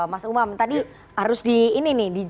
mas umam tadi harus di ini nih